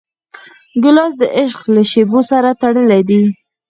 ګیلاس د عشق له شېبو سره تړلی دی.